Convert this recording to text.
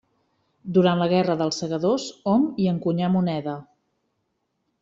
Durant la Guerra dels Segadors hom hi encunyà moneda.